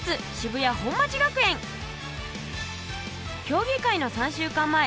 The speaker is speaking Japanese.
競技会の３週間前。